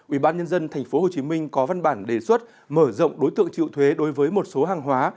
ubnd tp hcm có văn bản đề xuất mở rộng đối tượng triệu thuế đối với một số hàng hóa